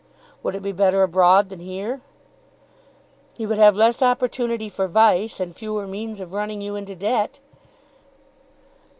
"Would he be better abroad than here?" "He would have less opportunity for vice, and fewer means of running you into debt."